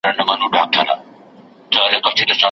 ستا په دوه دلیله ژوند در ختمومه